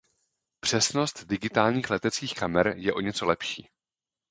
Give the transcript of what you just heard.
Přesnost digitálních leteckých kamer je o něco lepší.